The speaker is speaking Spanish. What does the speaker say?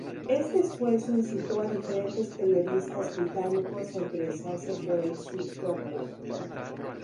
Este esfuerzo incitó a diferentes periodistas británicos a interesarse por el Sudoku.